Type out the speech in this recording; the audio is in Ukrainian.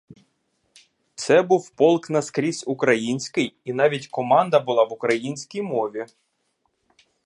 Це був полк наскрізь український і навіть команда була в українській мові.